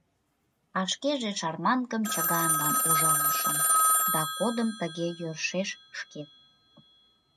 А шкеже шарманкым чыганлан ужалышым - да кодым тыге йӧршеш шкет....